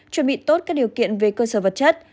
chuẩn bị tốt các điều kiện về cơ sở vật chất